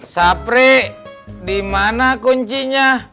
sapri dimana kuncinya